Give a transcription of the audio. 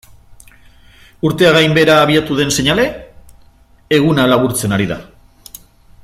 Urtea gainbehera abiatu den seinale, eguna laburtzen ari da.